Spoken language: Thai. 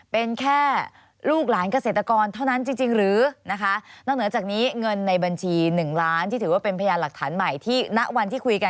เป็นแค่ลูกหลานเกษตรกรเท่านั้นจริงหรือนะคะ